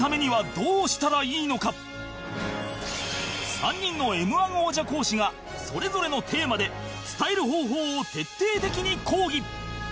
３人の Ｍ−１ 王者講師がそれぞれのテーマで伝える方法を徹底的に講義